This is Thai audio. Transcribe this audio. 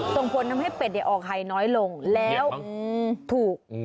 ส่งผลทำให้เป็ดออกไข่น้อยลงแล้วถูก